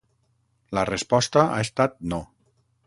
La resposta ha estat no.